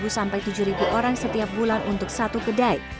sepuluh sampai tujuh orang setiap bulan untuk satu kedai